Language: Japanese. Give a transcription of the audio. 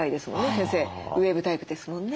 先生ウエーブタイプですもんね。